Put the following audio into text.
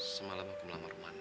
semalam aku melamar umanda